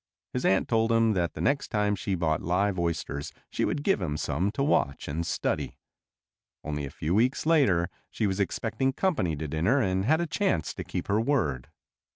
His aunt told him that the next time she bought live oysters she would give him some to watch and study. Only a few weeks later she was expecting company to dinner and had a chance to keep her word.